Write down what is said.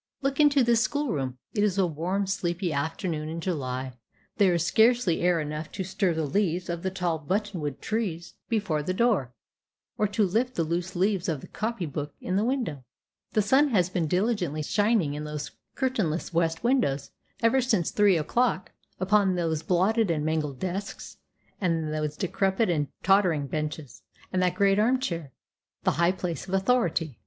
Look into this school room. It is a warm, sleepy afternoon in July; there is scarcely air enough to stir the leaves of the tall buttonwood tree before the door, or to lift the loose leaves of the copy book in the window; the sun has been diligently shining into those curtainless west windows ever since three o'clock, upon those blotted and mangled desks, and those decrepit and tottering benches, and that great arm chair, the high place of authority.